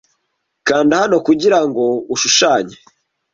Kanda hano kugira ngo ushushanye